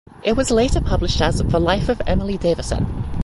It was later published as "The Life of Emily Davison".